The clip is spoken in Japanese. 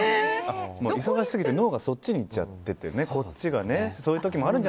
忙しすぎて脳がそっちにいっちゃっているんだね。